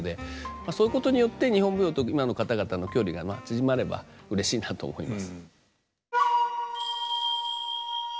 そういうことによって日本舞踊と今の方々の距離が縮まればうれしいなと思います。